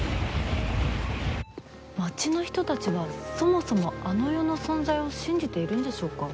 町の人たちはそもそもあの世の存在を信じているんでしょうか？